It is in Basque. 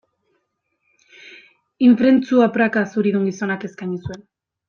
Ifrentzua praka zuridun gizonak eskaini zuen.